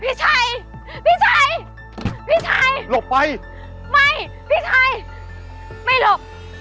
พี่ชัยพี่ชัยพี่ชัยหลบไปไม่พี่ชัยไม่หลบ